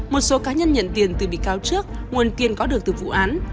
một số cá nhân nhận tiền từ bị cáo trước nguồn tiền có được từ vụ án